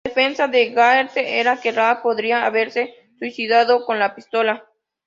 La defensa de Gaertner era que Law podría haberse suicidado con la pistola.